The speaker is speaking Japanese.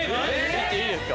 行っていいですか？